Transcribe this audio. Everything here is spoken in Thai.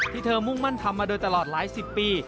เธอมุ่งมั่นทำมาโดยตลอดหลายสิบปี